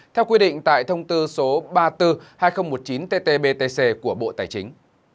theo quy định tại thông tư số ba mươi bốn hai nghìn một mươi chín ttbtc của bộ tài chính